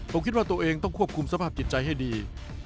ผมคิดว่าตัวเองต้องควบคุมสภาพจิตใจให้ดี